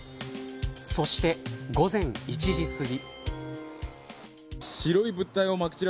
そして、午前１時過ぎ。